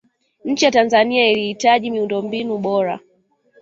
nchi ya tanzania ilihitaji miundombinu bora